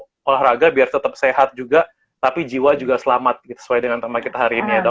untuk olahraga biar tetap sehat juga tapi jiwa juga selamat gitu sesuai dengan tema kita hari ini ya dok